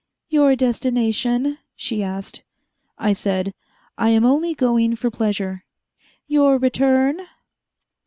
"Your destination?" she asked. I said, "I am only going for pleasure." "Your return?"